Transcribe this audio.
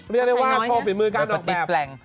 นี่จะได้ว่าโชว์ฝีมือการออกแบบประติดแปลง